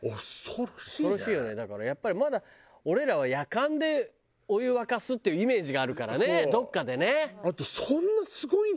だからやっぱりまだ俺らはやかんでお湯を沸かすっていうイメージがあるからねどこかでね。